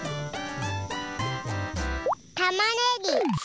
たまねぎ。